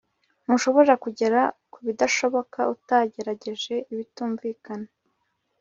ntushobora kugera kubidashoboka utagerageje ibitumvikana